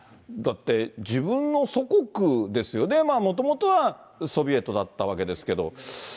だって、自分の祖国ですよね、もともとはソビエトだったわけですけど。